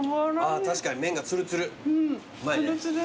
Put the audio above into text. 確かに麺がつるつる。